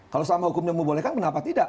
kalau selama hukumnya membolehkan kenapa tidak